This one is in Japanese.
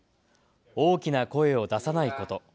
大きな声を出さないこと。